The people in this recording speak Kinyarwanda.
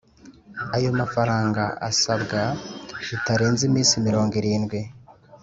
ayo mafaranga asabwa bitarenze iminsi mirongo irindwi